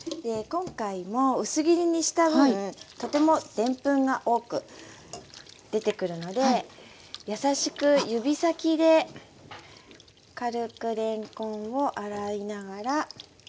今回も薄切りにした分とてもでんぷんが多く出てくるので優しく指先で軽くれんこんを洗いながら。